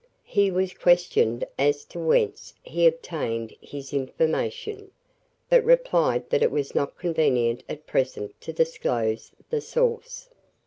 He was questioned as to whence he obtained his information, but replied that it was not convenient at present to disclose the source.